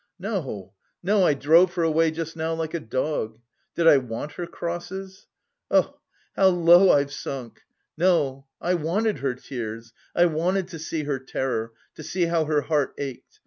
No, no, I drove her away just now like a dog. Did I want her crosses? Oh, how low I've sunk! No, I wanted her tears, I wanted to see her terror, to see how her heart ached!